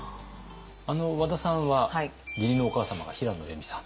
和田さんは義理のお母様が平野レミさん。